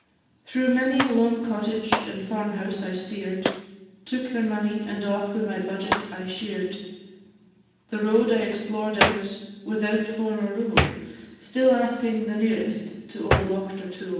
Through many a lone cottage and farm house I steer'd, Took their money, and off with my budget I sheer'd; The road I explored out, without form or rule, Still asking the nearest to old Auchtertool.